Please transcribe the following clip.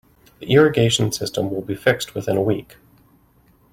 The irrigation system will be fixed within a week.